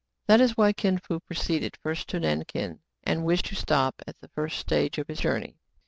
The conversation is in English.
That is why Kin Fo proceeded first to Nankin, and wished to stop at the first stage in his journey.